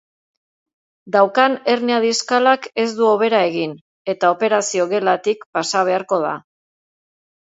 Daukan hernia diskalak ez du hobera egin eta operazio-gelatik pasa beharko da.